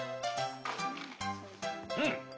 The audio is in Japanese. うん。